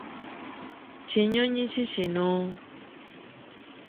Kinyonyi ki kino?